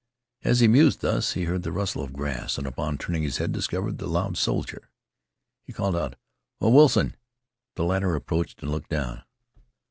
As he mused thus he heard the rustle of grass, and, upon turning his head, discovered the loud soldier. He called out, "Oh, Wilson!" The latter approached and looked down.